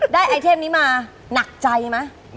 ไอเทพนี้มาหนักใจไหม